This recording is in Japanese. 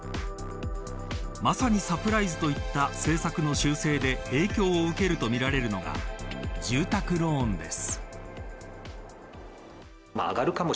まさにサプライズといった政策の修正で影響を受けるとみられるのが住宅ローンです。